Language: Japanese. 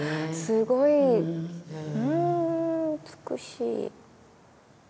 すごいうん美しい。